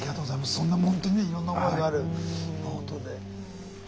そんなほんとにねいろんな思いのあるノートで。